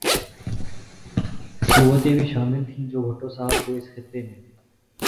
قوتیں بھی شامل تھیں جو بھٹو صاحب کو اس خطے میں